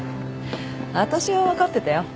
わたしは分かってたよ。